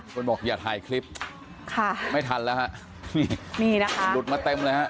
คนบอกอย่าถ่ายคลิปไม่ทันแล้วค่ะลุดมาเต็มเลยค่ะ